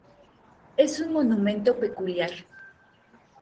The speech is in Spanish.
Es un monumento peculiar.